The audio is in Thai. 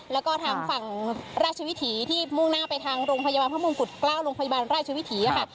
แล้วก็ทางฝั่งราชวิถีที่มุ่งหน้าไปทางโรงพยาบาลพระมงกุฎเกล้าโรงพยาบาลราชวิถีค่ะ